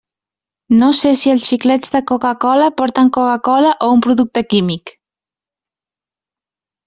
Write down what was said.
No sé si els xiclets de Coca-cola porten Coca-cola o un producte químic.